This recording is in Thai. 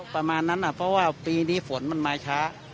ประมาณนั้นเพราะว่าปีนี้ฝนมันมาช้า